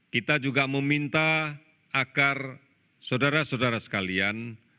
kita juga meminta agar saudara saudara sekalian